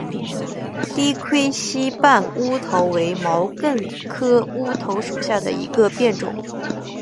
低盔膝瓣乌头为毛茛科乌头属下的一个变种。